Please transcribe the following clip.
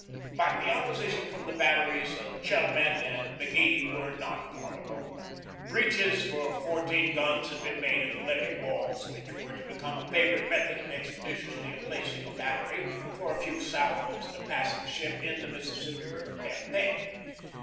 But the opposition from the batteries Chalmette and McGehee was not formidable. Breaches for four teen guns had been made in the levee walls, which was to become a favorite method of expeditiously emplacing a battery for a few salvos at a passing ship in the Mississippi River campaign.